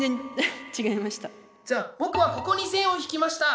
じゃあ僕はここに線を引きました。